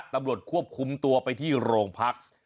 ตำรวจควบคุมตัวไปที่โรงพัก